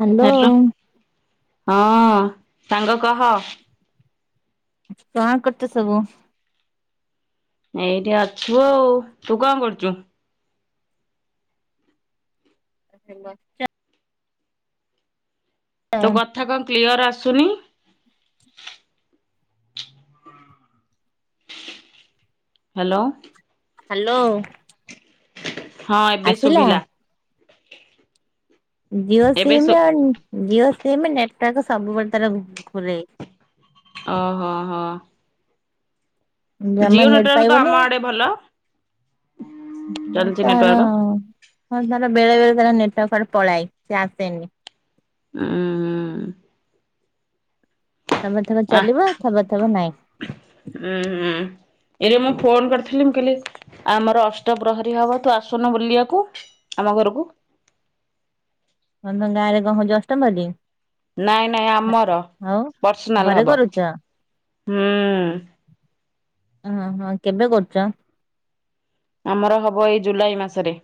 Hello hello ହଁ ସାଙ୍ଗ କହ। କଣ କରୁଚ ସବୁ? ଏଇଠି ଅଛୁ ଆଉ। ତୁ କଣ କରୁଚୁ? ଏଇଠି ବସିଚି ଆଉ। ତୋ କଥା କଣ କ୍ଲିୟର୍ ଆସୁନି? ହାଲୋ। ହାଲୋ। ହଁ ଏବେ ଶୁଭିଲା। ଜିଓ ଏବେ ସିମ୍ ଶୁ ଆଉ ଜିଓ ସିମ୍ ନେଟିୱାର୍କ ସବୁବେଳେ ତାର ଘୁରେ। ଅ ହ ହ ହ। ଜମା ନେଟୱାର୍କ ତ ନେଟିୱାର୍କ ଆମ ନାଇଁ। ଆଡେ ଭଲ ଆଉ ଚାଲିଛି ତାର ନେଟୱାର୍କ। ଆଉ ତାର ବେଳେ ବେଳେ ତାର ନେଟ୍ ୱାର୍କ କୁଆଡେ ପଳାଏ ସିଏ ଆସେନି। ଉଁ। ଥବ ଥବ ଆ ଚାଲିବ ଥବ ଥବ ନାଇଁ। ଉଁ ହୁଁ। ଏଇରେ ମୁଁ ଫୋନ୍ କରିଥିଲି ମୁ କଇଲି ଆମର ଅଷ୍ଟ ପ୍ରହରୀ ହବ ତୁ ଆସୁନୁ ବୁଲିଆକୁ ଆମ ଘରୁକୁ। ତମ ଗାଁରେ କଣ ହଉଚି ଅଷ୍ଟ ପ୍ରହରୀ? ନାଇଁ ନାଇଁ ଆମର ପ୍ରସିନାଲ୍ ଘରେ ହବ କରୁଛ ହୁଁ। ଓହୋ। କେବେ କରୁଚ? ଆମର ହବ ଏଇ ଜୁଲାଇ ମାସରେ।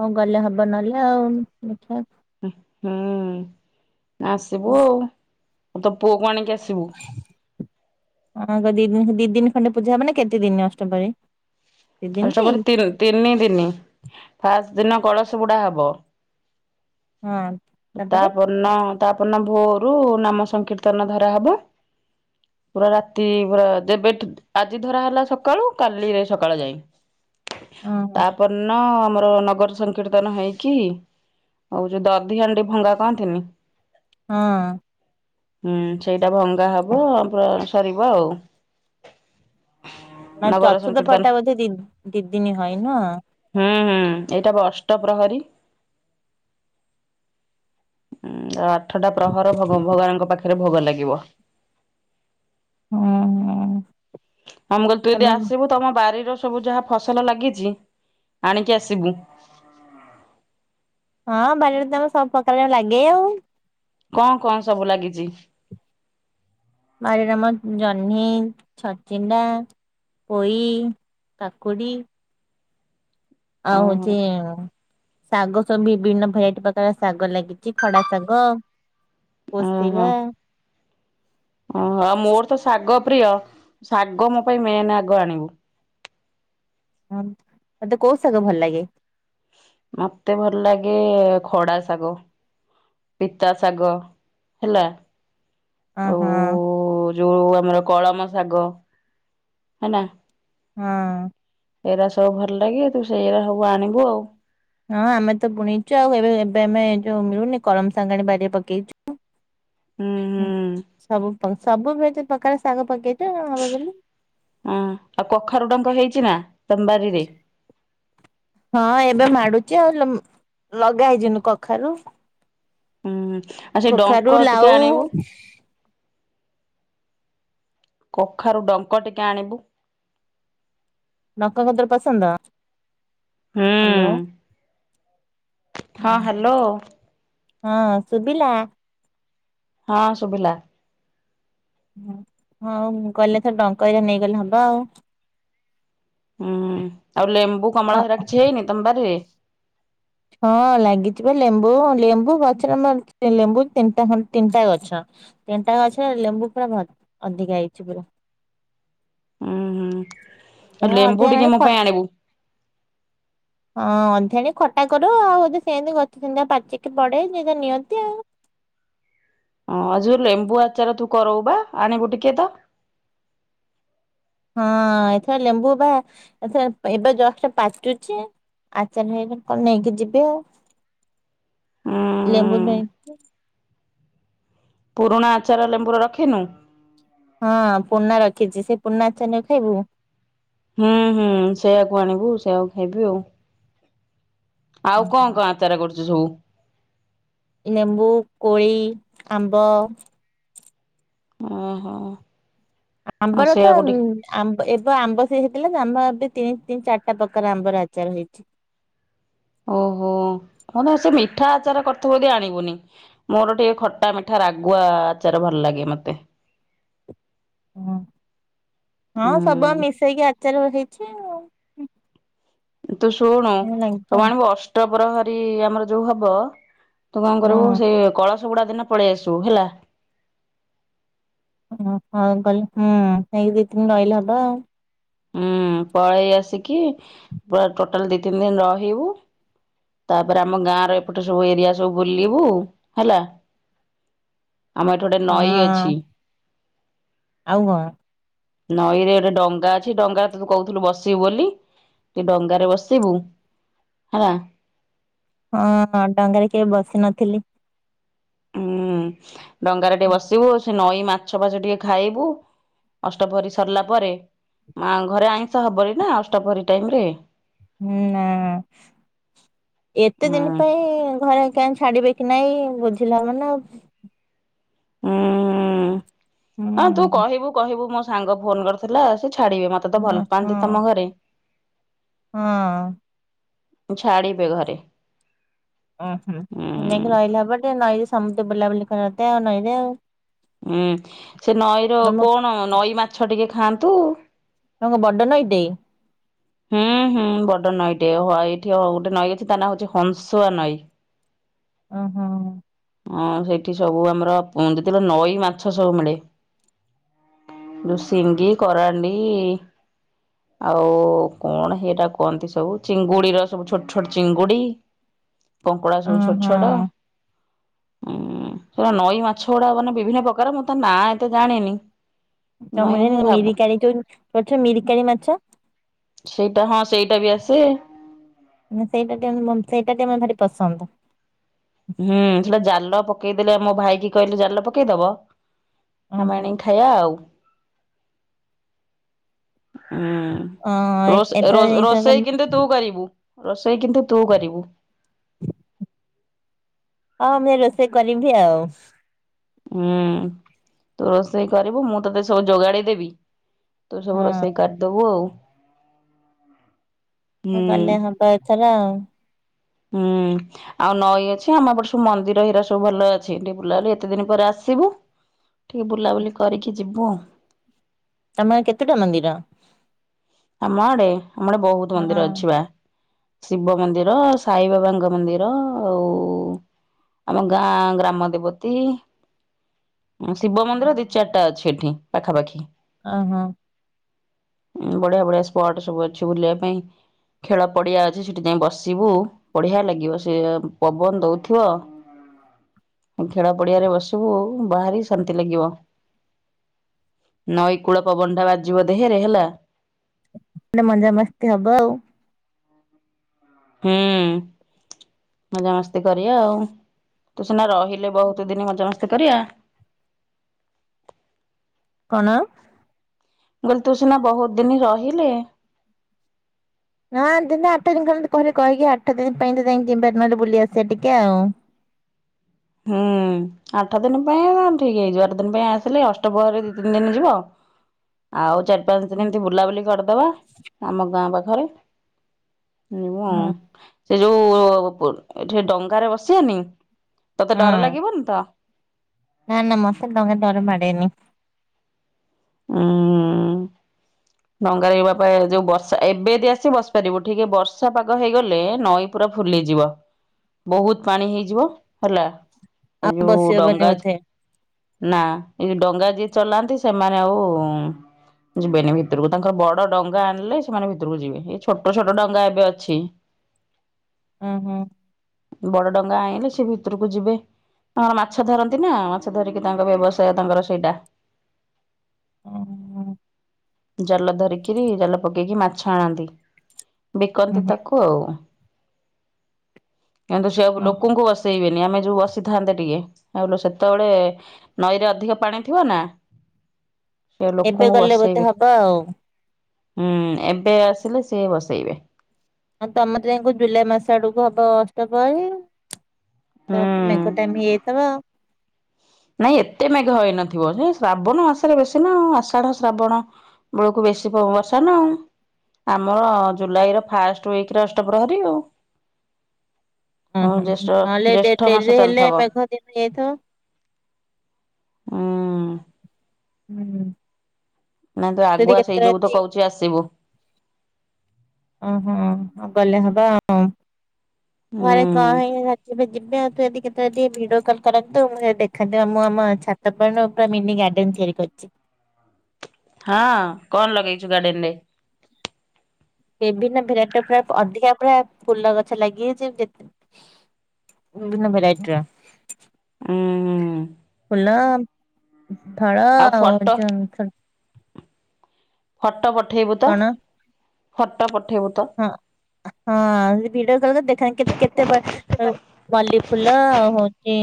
ହଉ ଗଲେ ହବ ନହେଲେ ଆଉ ଦେଖିବା। ହୁଁ ଆସିବୁ ଆଉ ତୋ ପୁଅ କୁ ଆଣିକି ଆସିବୁ। ହଁ ଦି ଦିନ ଦି ଦିନ ଖଣ୍ଡେ ପୂଜା ହବ। ନା କେତେ ଦିନ ଅଷ୍ଟପ୍ରହରୀ? ଅଷ୍ଟପ୍ରହରୀ ତିନ ତିନି ଦିନି ଫାଷ୍ଟ ଦିନ କଳସ ବୁଡା ହବ। ହଁ ତା ତାପରେ ପରଦିନ ତା ପରଦିନ ଭୋରୁ ନାମ ସଂକୀର୍ତ୍ତନ ଧରା ହେବ। ପୁରା ରାତି ପୁରା ଯେବେଠୁ ଆଜି ଧରା ହେଲା ସକାଳୁ କାଲି ସକାଳୁ ଯାଏ। ଓହୋ ତାପର ଦିନ ଆମର ନଗର ସ ସକୀର୍ତ୍ତନ ହେଇକି ଆଉ ଯୋଉ ଦଧି ହାଣ୍ଡି ଭଙ୍ଗା କହନ୍ତିନି ହଁ। ହୁଁ ସେଇଟା ଭଙ୍ଗା ହବ ପୁରା ସରିବ ଆଉ। ନା ନଗର ଚତୁର୍ଥ ପ୍ରହରୀ ସଂକୀର୍ତ୍ତନ ଟା ବୋଧେ ଦି ଦିଦିନି ହଏ ନୁହଁ? ହୁଁ ହୁଁ ଏଇଟା ପାଅଷ୍ଟପ୍ରହରୀ। ଉଁ ଆଠଟା ଆଉ ପ୍ରହର ଭଗବାନଙ୍କ ପାଖରେ ଭୋଗ ଲାଗିବ। ହୁଁ ହୁଁ। ହଁ ମୁଁ କହିଲି ତୁ ତମ ଯଦି ଆସିବୁ ତମ ବାରିର ସବୁ ଯାହା ଫସଲ ଲାଗିଛି ଆଣିକି ଆସିବୁ। ହଁ ବାରିରେ ତ ଆମର ସବୁ ପ୍ରକାର ଲାଗେ ଆଉ। କଣ କଣ ସବୁ ଲାଗିଛି? ବାରିରେ ଆମର ଜହ୍ନି ଛଚିଣ୍ଡା। ପୋଇ କାକୁଡ଼ି। ଆଉ ଓହୋ ହଉଚି ଶାଗ ସବୁ ବିଭିନ୍ନ ଭେରାଇଟି ପ୍ରକାର ଶାଗ ଲାଗିଛି ଖଡା ଶାଗ। କୋଚିଲା। ଓହୋ ଓହୋ ମୋର ତ ଶାଗ ପ୍ରିୟ ଶାଗ ମୋ ପାଇଁ ମେନ୍ ଆଗ ଆଣିବୁ। ହଁ ମତେ କୋଉ ସାଗ ଭଲ ଲାଗେ। ମତେ ଭଲ ଲାଗେ ଖଡା ଶାଗ। ପିତା ଶାଗ ହେଲା ହ ଆଉ ହଁ। ଯୋଉ ଆମର କଳମ ଶାଗ ହେନା ହଁ। ଏରା ସବୁ ଭଲ ଲାଗେ ତୁ ସେଇରା ସବୁ ଆଣିବୁ ଆଉ। ହଁ ଆମେ ତ ପୁଣିଇଛୁ ଆଉ ଏବେ ଏବେ ଆମେ ଯୋଉ ମିଳୁନି କଲମ ସାଙ୍ଗାଣି ବାରିରେ ପକେଇଛୁ। ହୁଁ ହୁଁ। ସବୁ ସବୁ ଭେରାଇଟି ପ୍ରକାର ଶାଗ ପକେଇଚୁ ହବ ବୋଲି। ହଁ ଆଉ କଖାରୁ ଡଙ୍କ ହେଇଛି ନା ତମ ବାରିରେ? ହଁ ଏବେ ମାଡୁଛି ଆଉ ଲଗା ହେଇଛି ଏଇନୁ କଖାରୁ। ହୁଁ ଆଉ ସେଇ କଖାରୁ ଡଙ୍କ ଲାଉ ଟିକେ ଆଣିବୁ। କଖାରୁ ଡଙ୍କ ଟିକେ ଆଣିବୁ। ଡଙ୍କ କଁ ତୋର ପସନ୍ଦ ହୁଁ ହ୍ୟାଲୋ। ହଁ ହ୍ୟାଲୋ ହଁ ଶୁଭିଲା। ହଁ ଶୁଭିଲା। ହଁ ହଁ ଗଲେ ଥଏର ଡ଼ଙ୍କ ଏଇରା ନେଇଗଲେ ହବ ଆଉ। ହୁଁ ଆଉ ଲେମ୍ବୁ ଅ କମଳା ହେରା କିଛି ହେଇନି ତମ ବାରିରେ? ହଁ ଲାଗିଯିବ ଲେମ୍ବୁ ଲେମ୍ବୁ ଗଛରେ ଲେମ୍ବୁ ତିନିଟା ତିନିଟା ଗଛ। ତିନିଟା ଗଛରେ ଲେମ୍ବୁ ପୁରା ଅଧିକା ହେଇଛି ପୁରା। ଉୁଁ ହୁଁ ଆଉ ଲେମ୍ବୁ ଟିକେ ହଁଧଣି ମୋ ଖ [unintelligible] ପାଇଁ ଆଣିବୁ। ହଁ ଅଧାଣି ଖଟା କର ଆଉଧି ସେମିତି ଗଛ ସେମିତିକା ପାଚିକି ପଡେ ଯଟ ନିଅନ୍ତି ଆଉ। ହଁ ଆଉ ଯୋଉ ଲେମ୍ବୁ ଆଚାର ତୁ କରାଉ ବା ଆଣିବୁ ଟିକେ ତ। ହଁ ଏଥର ଲେମ୍ବୁ ବା ଏଥ ଏବେ ଜଷ୍ଟ ପାଚୁଛି। ଆଚାର ହେଇଲେ କଣ ନେଇକି ଯିବି ଆଉ ଉଁ ଲେମ୍ବୁ ନେଇକି। ପୁରୁଣା ଆଚାର ଲେମ୍ବୁର ରଖିନୁ। ହଁ ପୁରୁଣା ରଖିଛି ସେ ପୁରୁଣା ଆଚନ ଖାଇବୁ। ହୁଁ ହୁଁ ସେଇଆକୁ ଆଣିବୁ ସେଇଆକୁ ଖାଇବି ଆଉ। ଆଉ କଣ କଣ ଆଚାର କରୁଛୁ ସବୁ। ନେମ୍ବୁ କୋଳି ଆମ୍ବ। ଓହୋ! ଆଉ ଆବର ତ। ସେଇଆକୁ ଟିକେ ଆମ୍ବ ଏବେ ଆମ୍ବ ସେ ହେଇଥିଲା ଆମ ଏବେ ତିନି ତିନି ଚାରିଟା ପ୍ରକାର ଆମ୍ବର ଆଚାର ହେଇଛି। ଓହୋ ମାନେ ସେ ମିଠା ଆଚାର କରତବଦ ଆଣିବୁନି। ମୋର ଟିକେ ଖଟା ମିଠା ରାଗୁଆ ଆଚାର ଭଲ ଲାଗେ ମତେ। ହ ହଁ ସବୁ ଆ ଉଁ ମିଶେଇକି ଆଚାର ହେଇଛି। ଆଉ। ତୁ ଲାଗିଛି ଆଉ ଶୁଣୁ ଅଷ୍ଟ ପ୍ର୍ରହରୀ ଆମର ଯୋଉ ହବ। ତୁ କଣ କରିବୁ ହଁ ସେ କଳସ ବୁଡା ଦିନ ପଳେଇ ଆସିବୁ ହେଲା। [unintelligible] ହୁଁ ଏଇ ଦି ତିନି ରହିଲ ହବ ଆଉ ହୁଁ ପଳେଇ ଆସିକି ଟୋଟାଲ ଦି ତିନି ଦିନ ରହିବୁ। ତାପରେ ଆମ ଗାଁ ର ଏପଟେ ସବୁ ଏରିଆ ସବୁ ବୁଲିବୁ ହେଲା। ଆମ ଏ ଠି ନଈ ଅଛି। ହଁ ଆଉ କଣ? ନଈରେ ଗୋଟେ ଡଙ୍ଗା ଅ ସେ ଡଙ୍ଗା ତୁ କହୁଥିଲୁ ବସିବୁ ବୋଲି ଡଙ୍ଗାରେ ବସିବୁ ହେଲା। ହଁ ହଁ ଡଙ୍ଗାରେ କେବେ ବସି ନଥିଲି। ହୁଁ ଡଙ୍ଗାରେ ଟିକେ ବସିବୁ ସେ ନଈ ମାଛ ଫାଛ ଟିକେ ଖାଇବୁ। ଅଷ୍ଟପ୍ରହରୀ ସରିଲା ପରେ ମା ଘରେ ଆଇଁଷ ହବନି ନା ଅଷ୍ଟପହରୀ ଟାଇମ୍ ରେ। ହୁଁ ନା ଏତେ ହୁଁ ଦିନ ପାଇଁ ଘର କାହିଁ ଛାଡିବେ କି ନାଇଁ ବୁଝିଲେ ହବ ନା ଆଉ। ହୁଁ ହଁ ତୁ ହୁଁ କହିବୁ କହିବୁ ମୋ ସାଙ୍ଗ ଫୋନ୍ କରିଥିଲା ସେ ଛାଡିବେ ମତେ। ତ ଭଲ ଓହୋ। ପାଆନ୍ତି ତମ ଘରେ ହଁ। ଛାଡ଼ିବେ ଘରେ। ଓ ହୁ ହୁଁ ରହିଲା ଟେ ନଈରେ ସମସ୍ତେ ବୁଲାବୁଲି କର ଆଉ ନଈରେ ଆଉ। ହୁଁ ସେ ନଈର ତମ କଣ ନଈ ମାଛ ଟିକେ ଖାଆନ୍ତୁ। ବଡ ନଈ ଟେ। ହୁଁ ହୁଁ ବଡ ନଈଟେ ହ ଏଇଠି ଗୋଟେ ନଈ ଅଛି ତା ନାଁ ହଉଛି ହଂସୁଆ ନଈ। ଓହୋ। ହଁ ସେଇଠି ସବୁ ଆମର ଯେତେବେଳେ ନଈ ମାଛ ସବୁ ମିଳେ। ଶିଙ୍ଗ କରାଣ୍ଡି ଆଉ କଣ ହେରା କୁହନ୍ତି ସବୁ ଚିଙ୍ଗୁଡିର ସବୁ ଛୋଟ ଛୋଟ ଚିଙ୍ଗୁଡି। [inaudible] କଙ୍କଡା ସବୁ ଛୋଟ ଓହୋ ଛୋଟ। ହୁଁ ସେ ନଈ ମାଛ ଗୁଡା ମାନେ ବିଭିନ୍ନ ପ୍ରକାର ମୁଁ ତ ନା ଏତେ ଜାଣିନି। ନଈ ମାଛ [unintelligible] ଭାବୁ ମିରିକାଳି [unintelligible] ମିରିକାଳି ମାଛ? ସେଇଟା ହଁ ସେଇଟା ବି ଆସେ। ସେଇଟା ଟିକେ ମ ସେଇଟା ଟିକେ ମୋର ଭାରି ପସନ୍ଦ। ହୁଁ ସେଟା ଜାଲ ପକେଇଦେଲେ ଆମ ଭାଇ କି କହିଲେ ଜାଲ ପକେଇଦବ। ଆମେ ଓହୋ। ଆଣିକି ଖାଇବା ଆଉ। ହୁଁ। ହଁ ରୋଷ ଏଥର ରଷ ର ଏଇଥର ରୋଷେଇ କିନ୍ତୁ ତୁ କରିବୁ ରୋଷେଇ କିନ୍ତୁ ତୁ କରିବୁ। ହଁ ମୁଁ ରୋଷେଇ କରିବି ଆଉ। ହୁଁ ତୁ ରୋଷେଇ କରିବୁ ମୁଁ ତତେ ସବୁ ଯୋଗାଡି ଦେବି। ତୁ ସବୁ ହଁ। ରୋଷେଇ କରିଦବୁ ଆଉ। ହଁ ହୁଁ। ଗଲେ ହବ ଏଥର ଆଉ। ହୁଁ। ଆଉ ନଈ ଅଛି ଆମପଟେ ସବୁ ମନ୍ଦିର ହିରା ସବୁ ଭଲ ଅଛି ଏଠି ବୁଲାବୁଲି ଏତେ ଦିନ ପରେ ଆସିବୁ। ଟିକେ ବୁଲାବୁଲି କରିକି ଯିବୁ ଆଉ। ତମ କେତେଟା ମନ୍ଦିର? ଆମ ଆଡେ ଆମର ବହୁତ ମନ୍ଦିର ହଁ ଅଛି ବା। ଶିବ ମନ୍ଦିର ସାଇବାବାଙ୍କ ମନ୍ଦିର ଆଉ ଆମ ଗାଁ ଗ୍ରାମ ଦେବତୀ। ଶିବ ମନ୍ଦିର ଦି ଚାରିଟା ଅଛି ଏଠି ପାଖାପାଖି। ଓହୋ। ବଢିଆ ବଢିଆ ସ୍ପଟ ସବୁ ଅଛି ବୁଲିବା ପାଇଁ ଖେଳ ପଡ଼ିଆ ଅଛି ସେଠି ଯାଇକି ବସିବୁ। ବଢିଆ ଲାଗିବ ସେି ପବନ ଦଉଥିବ ଖେଳା ପଡିଆରେ ବସିବୁ ବାହାରି ଶାନ୍ତି ଲାଗିବ। ନଈ କୂଳ ପବନଟା ବାଜିବ ଦେହରେ ହେଲା। [unintelligible] ମଜା ମସ୍ତି ହବ ଆଉ। ହୁଁ ମଜାାମସ୍ତି କରିବା ଆଉ ତୁ ସିନା ରହିଲେ ବହୁତ ଦିନ ମଜାମସ୍ତି କରିବା। ମୁଁ କଣ? ମୁଁ କଲି ତୁ ସିନା ବହୁତ ଦିନ ରହିଲେ। ହଁ ଦିନ ଆଠ ଦିନ ଖଲ କହିଲେ କହିହକି ଆଠ ଦିନ ପାଇଁ ତ ଯାଇି କିିବାର ନହେଲେ ବୁଲି ଆସିବାେ ଟିକେ ଆଉ। ହୁଁ। ଆଠ ଦିନ ପାଇଁ ଠିକ ହେଇଯିବ ଆଠ ଦିନ ପାଇଁ ଆସିଲେ ଅଷ୍ଟବହରେ ଦି ତିନି ଦିନ ଯିବ। ଆଉ ଚାରି ପାଞ୍ଚ ଦିନ ଏମତି ବୁଲାବୁଲି କରିଦବା ଆମ ଗାଁ ପାଖରେ। ହଁ ସେ ଯୋଉ ଏଠି ଡଙ୍ଗାରେ ବସିବନି ତତେ ଡର ଲାଗିବନି ତ? ନାଁ ନା ମତେ ଦଙ୍ଗା ଡରମଡ଼େନି। ହୁଁ। ଡଙ୍ଗାରେ ଏଇବା ପା ଯୋଉ ବର୍ଷା ଏବେଦି ଆସି ବସିପାରିବୁ ଟିକେ ବର୍ଷା ପାଗ ହେଇଗଲେ ନଈ ପୁରା ଫୁଲିଯିବ ବହୁତ ପାଣି ହେଇଯିବ ହେଲା। ଆ ଆଉ ଯୋଉ ବସି ହବନି ଡଙ୍ଗା ବୋଧେ ନା ଏଇ ଡଙ୍ଗା ଯିଏ ଚଲାନ୍ତି ସେମାନେ ଆଉ ଯିବେନି ଭିତରକୁ ତାଙ୍କର ବଡ ଡଙ୍ଗା ଆଣିଲେ ସେମାନେ ଭିତରକୁ ଯିବେ ଏ ଛୋଟ ଛୋଟ ଡଙ୍ଗା ଏବେ ଅଛି। ହଁ ହଁ। ବଡ ଡଙ୍ଗା ଆଇଁଲେ ସେ ଭିତରକୁ ଯିବେ ତାଙ୍କର ମାଛ ଧରନ୍ତି ନା ମାଛ ଧରିକି ତାଙ୍କ ବ୍ୟବସାୟ ତାଙ୍କର ସେଇଟା। ଓୋ [inaudible] ଜାଲ ଧରିକିରି ଜାଲ ପକେଇକି ମାଛ ଆଣନ୍ତି ବିକନ୍ତି ହଁ। ତାକୁ। କିନ୍ତୁ ସେୟାକୁ ଲୋକଙ୍କୁ ଵା େଇବେନି [unintelligible] ଆମେ ଯୋଉ ବ ସିଥାନ୍ତେ ଟିକେ [unintelligible] ଯେତେବେଳେ ନଈରେ ଅଧିକ ପାଣି ଥିବ ନା ତ ସେ ଏବେ ଲୋକଙ୍କୁ ଗଲେ ବୋଧେ ବସେଇବେ ହବ ଆଉ। ହୁଁ ଏବେ ଆସିଲେ ସିଏ ବସେଇବେ। ଆଉ ତମର ଯାଇଁକି କୋଉ ଜୁଲାଇ ମାସ ଆଡକୁ ହବ ଅଷ୍ଟପ୍ରହରୀ। ହୁଁ ତ ମେଘ ଟାଇମ୍ ହେଇଯାଇଥବ। ନାଇଁ ଏତେ ମେଘ ହେଇନଥିବ ସେ ଶ୍ରାବଣ ମାସରେ ବେଶୀ ନା ଆଷାଢ ଶ୍ରାବଣ। ବେଳକୁ ବେଶୀ ବର୍ଷା ପ ନା ଆଉ। ଆମର ଜୁଲାଇ ର ଫାଷ୍ଟ ଉଇକ୍ ରେ ଅଷ୍ଟ ପ୍ରହରୀ ଆଉ। ହୁଁ ହଁ ହୁଁ ଜ୍ୟେଷ୍ଠ ହୁଁ ନହେଲେ ଡେ ଜ୍ୟେଷ୍ଠ ମାସ ଡେରିରେ ହେଲେ ଚାଲିଥିବ ମେଘ ଦିନ ହେଇଯାଇଥବ। ଉଁ ହୁଁ ହୁଁ। ନାଇଁ ତୁ ସେଠି ଆଗୁଆ ସେଇ କେତେଟା ଯୋଗୁ ତ ରାତି କହୁଛି ଆସିବୁ। ଓହୋ ଗଲେ ହବ ଆଉ ଘରେ କଣ ହୁଁ ହେଇିବ ଯିବି [unintelligible] ଆଉ ତୁ ଯଦି କେତେବେଳେ ଟିକେ ଭିଡିଓ କଲ୍ କରନ୍ତୁ ମୁଁ ଯାଇ ଦେଖନ୍ତି ଆମ ଛା ଛାତ ଉପରେ ନୁହୁଁ ମିିନି ଗାର୍ଡେନ୍ ତିଆରି କରିଛି। ହଁ କଣ ଲଗେଇଛୁ ଗାର୍ଡେନ୍ ରେ? ବିଭିନ୍ନ ଭେରାଇଟି ପୁରା ଅଧିକା ପୁରା ଫୁଲ ଗଛ ଲାଗିଯାଇଛି ଯେ ବିଭିନ୍ନ ଭେରାଇଟି ର। ଉଁ। ଫୁଲ ଫଳ ଆଉ ଯୋ ଛୋ ଫଟ ପଠେଇବୁ ତ କଣ ଫଟ ପଠେଇବୁ ତ? ହଁ। ହଁ ଭିଡିଓ କଲ୍ ରେ ଦେଖାନ୍ତି କେତ୍ କେତେ ଵା ମଲ୍ଲି ଫୁଲ ହୋଉଚି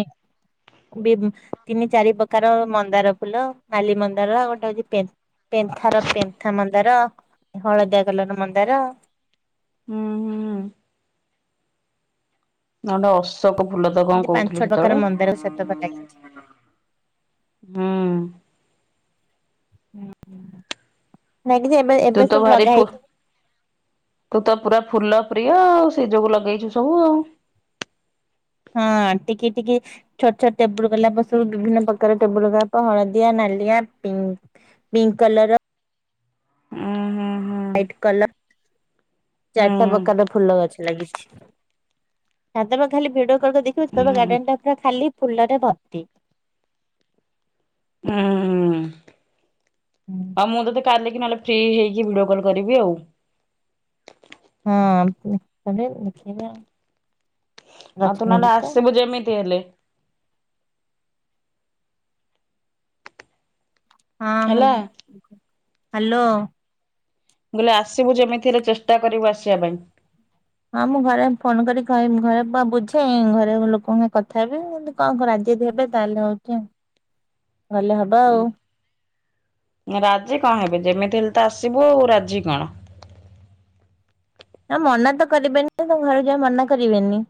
ବି ତିନି ଚାରି ପକାର ମନ୍ଦାର ଫୁଲ, ନାଲି ମନ୍ଦାର, ଆଉ ଗୋଟେ ହୋଉଛି ପେନ୍ ପେନ୍ଥା ର ପେନ୍ଥା ମନ୍ଦାର ହଳଦିଆ କଲର୍ ର ମନ୍ଦାର। ହୁଁ ହୁଁଁ। ନଟ ଅଶୋକ ଫୁଲ ତ କଣ କୋହୁଥିଲୁ ସେତେବେଳେ? ତାର ସେତକ ଲାଗିଛି। ହୁଁ। ହୁଁ ହୁଁଁ। [inaudible] ନାଗିଚି ଏବେ ତୁ ତ ଭାରି ଫୁ ହେଇଛି ତୁ ତ ପୁରା ଫୁଲ ପ୍ରିୟ ଆଉ ସେ ଯୋଗୁ ଲଗେଇଛୁ ସବୁ ଆଉ। ହଁ ଟିକି ଟିକି - ଛୋଟ ଛୋଟ ଟେବୁଲ୍ ଗୋଲାପ ସବୁ ବିଭିନ୍ନ ପ୍ରକାର ଟେବୁଲ ଗୋଲାପ ହଳଦିଆ, ନାଲିଆ, ପିଙ୍କ୍। ପିଙ୍କ୍ କଲର୍ ର ଉଁ ହୁଁ ହୁଁ। କଲ ଚାରିଟା ହୁଁ ପକାର ର ଫୁଲ ଗଛ ଲାଗିଛି। ତମେ ଖାଲି ଭିଡଓ କଲ୍ କରିକି ଦେଖିବ ହୁଁ ହୁଁ ଗାର୍ଡେନ୍ ଟା ପୁରା ଖାଲି ଫୁଲ ରେ ଭର୍ତ୍ତି। ହୁଁ ଉଁ ଉଁ ହୁଁ। ହଉ ମୁଁ ତୋତେ କାଲି କି ନହେଲେ ଫ୍ରି ହେଇକି ଭିଡିଓ କଲ୍ କରିବି ଆଉ। ହଁ [unintelligible] ଦେଖେଇବା। ଆଉ ତୁ ନହେଲେ ଆସିବୁ ଯେମିତି ହେଲେ। ହଁ ମୁଁ, ହାଲୋ। ମୁଁ କହିଲି ଆସିବୁ ଯେମିତି ହେଲେ, ଚେଷ୍ଟା କରିବୁ ଆସିବା ପାଇଁ। ହଁ ମୁଁ ଘରେ ଫୋନ କରି କହିମି, ଘରେ ବୁଝେ, ଘରେ ଲୋକଙ୍କ କଥା ହେବି କଣ କର, ରାଜି ଯଦି ହେବେ ତାହେଲେ ହଉଚି ଭଲ ହବ ଆଉ। ରାଜି କଣ ହେବେ? ଯେମିତି ହେଲେ ତ ଆସିବୁ ଆଉ ରାଜି କଣ? ନା ମନା ତ କରିବେନି, ତୋ ଘରକୁ ଯିବାକୁ ମନା କରିବେନି।